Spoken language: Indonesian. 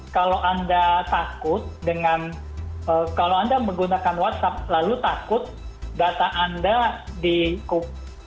kalau anda takut dengan kalau anda menggunakan whatsapp lalu takut data anda di cook